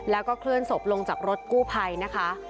แล้วก็เคลื่อนศพลงจากรถกู้ภัยนะคะ